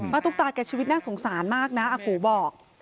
ตุ๊กตาแกชีวิตน่าสงสารมากนะอากูบอก